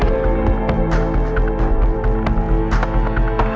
อ้าวพี่ที่ด้วย